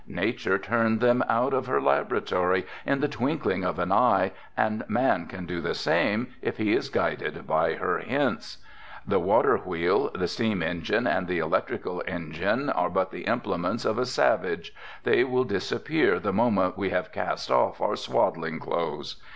Nature turned them out of her laboratory in the twinkling of an eye and man can do the same if he is guided by her hints. The water wheel, the steam engine and the electrical engine are but the implements of a savage, they will disappear the moment we have cast off our swaddling clothes.